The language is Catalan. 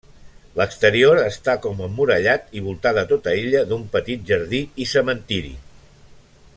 L'exterior està com emmurallat i voltada tota ella d'un petit jardí i cementiri.